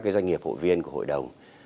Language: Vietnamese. mà các doanh nghiệp hội viên của hội đồng